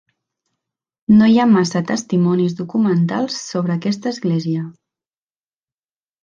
No hi ha massa testimonis documentals sobre aquesta església.